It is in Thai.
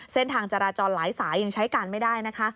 เส้นทางจราจรหลายสายยังใช้การไม่ได้นะคะ